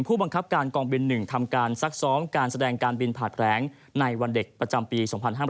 ผู้บังคับการกองบิน๑ทำการซักซ้อมการแสดงการบินผ่านแผลงในวันเด็กประจำปี๒๕๕๙